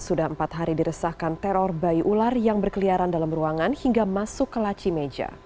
sudah empat hari diresahkan teror bayi ular yang berkeliaran dalam ruangan hingga masuk ke laci meja